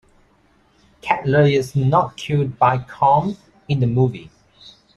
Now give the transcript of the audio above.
Katla is not killed by Karm in the movie.